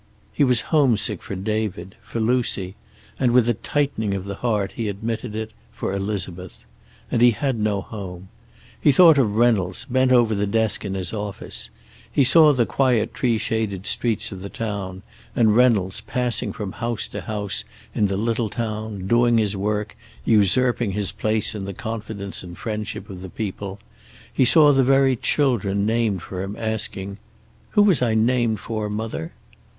He was homesick for David, for Lucy, and, with a tightening of the heart he admitted it, for Elizabeth. And he had no home. He thought of Reynolds, bent over the desk in his office; he saw the quiet tree shaded streets of the town, and Reynolds, passing from house to house in the little town, doing his work, usurping his place in the confidence and friendship of the people; he saw the very children named for him asking: "Who was I named for, mother?"